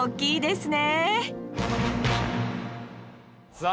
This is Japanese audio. さあ